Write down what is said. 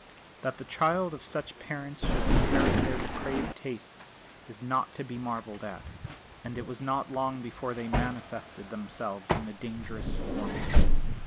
That the child of such parents should inherit their depraved tastes is not to be marvelled at. And it was not long before they manifested themselves in a dangerous form.